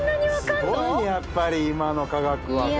すごいねやっぱり今の科学は。